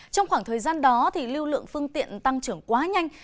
trong khoảng thời gian đó lưu lượng phương tiện tăng trưởng quá nhanh